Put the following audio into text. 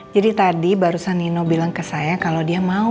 jadi tadi barusan nino bilang ke saya kalau dia mau